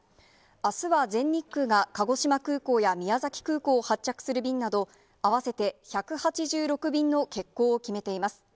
あすは全日空が、鹿児島空港や宮崎空港を発着する便など、合わせて１８６便の欠航を決めています。